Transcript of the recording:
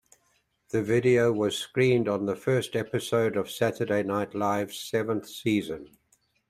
The video was screened on the first episode of "Saturday Night Live"s seventh season.